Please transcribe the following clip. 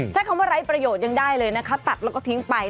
ใช้คำว่าไร้ประโยชน์ยังได้เลยนะคะตัดแล้วก็ทิ้งไป